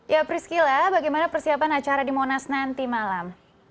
ya priscila bagaimana persiapan acara di monas nanti malam